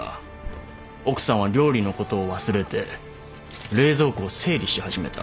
奥さんは料理のことを忘れて冷蔵庫を整理し始めた。